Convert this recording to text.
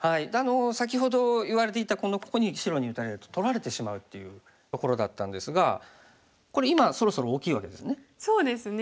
先ほど言われていたここに白に打たれると取られてしまうっていうところだったんですがこれ今そろそろ大きいわけですね？